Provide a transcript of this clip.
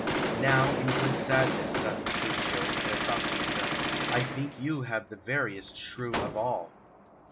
"Now, in good sadness, son Petruchio," said Baptista, "I think you have the veriest shrew of all."